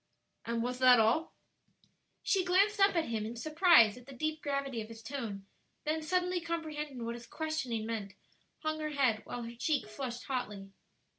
"And was that all?" She glanced up at him in surprise at the deep gravity of his tone; then suddenly comprehending what his questioning meant, hung her head, while her cheek flushed hotly.